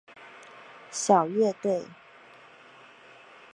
小乐队。